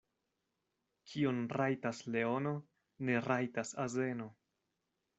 Kion rajtas leono, ne rajtas azeno.